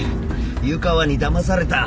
湯川にだまされた。